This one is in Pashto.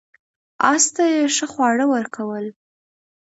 اس ته یې ښه خواړه ورکول.